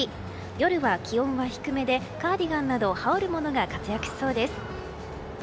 夜は気温は低めでカーディガンなど羽織るものが活躍しそうです。